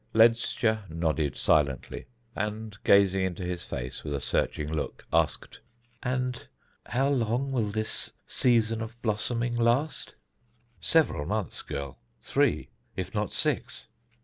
Ledscha nodded silently, and gazing into his face with a searching look asked, "And how long will this season of blossoming last?" "Several months, girl; three, if not six."